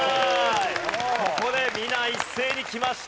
ここで皆一斉にきました。